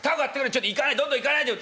ちょっとどんどん行かないでよ。